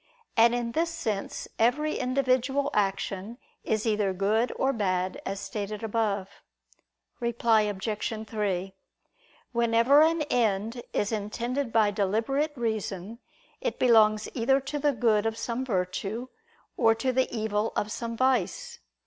And in this sense every individual action is either good or bad, as stated above. Reply Obj. 3: Whenever an end is intended by deliberate reason, it belongs either to the good of some virtue, or to the evil of some vice.